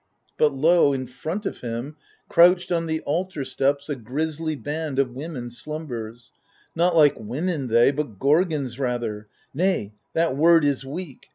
But lo, in front of him. Crouched on the altar steps, a grisly band Of women slumbers — not like women they. But Gorgons rather ; nay, that word is weak.